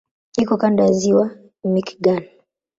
Iko kando ya Ziwa Michigan.